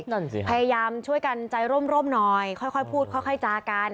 นั่นสิครับพยายามช่วยกันใจร่มร่มหน่อยค่อยค่อยพูดค่อยค่อยจากัน